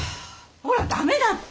ほら駄目だって！